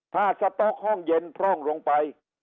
ถ้าสต๊อกห้องเย็นพร่องลงไป